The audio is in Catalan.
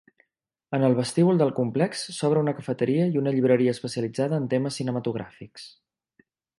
En el vestíbul del complex s'obre una cafeteria i una llibreria especialitzada en temes cinematogràfics.